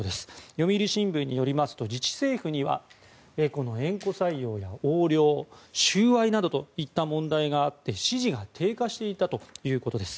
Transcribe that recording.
読売新聞によりますと自治政府には縁故採用や横領収賄などといった問題があって支持が低下していたということです。